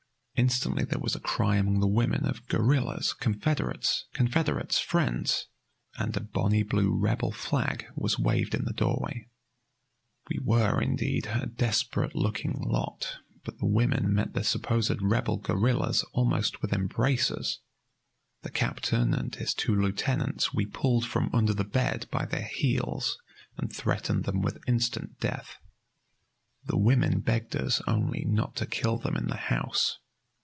Instantly there was a cry among the women of "guerrillas!" "Confederates!" "Confederates!" "Friends!" and a bonny blue Rebel flag was waved in the doorway. We were indeed a desperate looking lot, but the women met the supposed Rebel guerrillas almost with embraces. The captain and his two lieutenants we pulled from under the bed by their heels, and threatened them with instant death. The women begged us only not to kill them in the house.